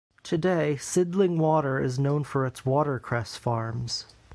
Today Sydling Water is known for its watercress farms.